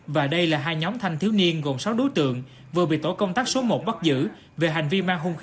và đây là hai nhóm thanh thiếu niên gồm sáu đối tượng vừa bị tổ công tác số một bắt giữ về hành vi mang hung khí